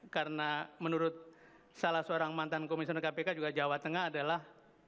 karena menurut salah seorang mantan komisioner kpk juga jawa tengah adalah